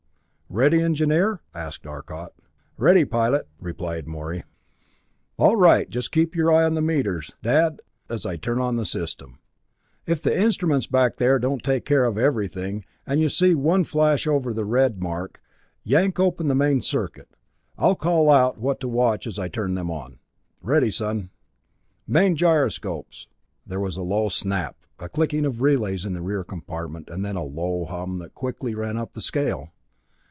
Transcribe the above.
"Ready, Engineer?" asked Arcot. "Ready, Pilot!" replied Morey. "All right just keep your eye on the meters, Dad, as I turn on the system. If the instruments back there don't take care of everything, and you see one flash over the red mark yank open the main circuit. I'll call out what to watch as I turn them on." "Ready son." "Main gyroscopes!" There was a low snap, a clicking of relays in the rear compartment, and then a low hum that quickly ran up the scale.